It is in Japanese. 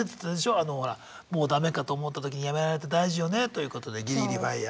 あのほら「もうダメかと思ったときに辞められるって大事よね」ということで「ギリギリＦＩＲＥ」。